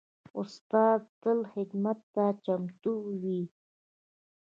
استاد تل خدمت ته چمتو وي.